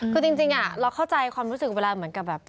คือจริงเราเข้าใจความรู้สึกเวลาเหมือนกับแบบ